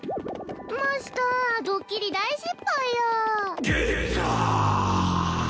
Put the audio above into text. マスタードッキリ大失敗やゲザアアア！